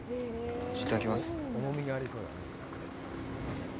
いただきます。